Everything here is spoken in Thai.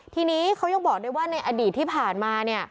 ทีนี้เขายังบอกด้วยว่าในอดีตที่ผ่านมา